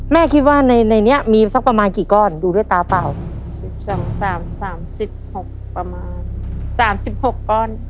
แม่คิดว่าในนี้มีสักประมาณกี่ก้อนดูด้วยตาเปล่าสามสิบหกประมาณสามสิบหกก้อน